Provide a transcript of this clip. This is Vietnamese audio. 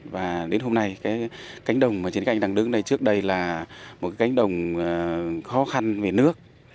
và đến hôm nay cái cánh đồng mà trên cánh đang đứng đây trước đây là một cái cánh đồng khó khăn về nước